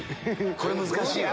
これ難しいよ。